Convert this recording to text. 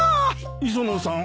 磯野さん